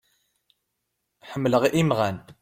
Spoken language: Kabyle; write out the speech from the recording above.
Ḥemmleɣ imɣan.